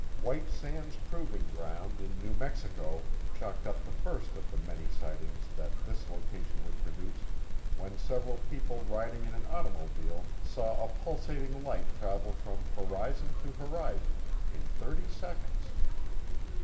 White Sands Proving Ground in New Mexico chalked up the first of the many sightings that this location would produce when several people riding in an automobile saw a pulsating light travel from horizon to horizon in thirty seconds.